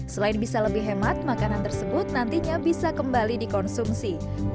selain bisa lebih hemat makanan tersebut nantinya bisa kembali dikonsumsi